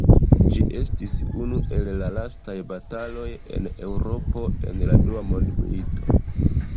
Ĝi estis unu el la lastaj bataloj en Eŭropo en la Dua Mondmilito.